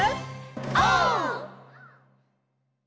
オー！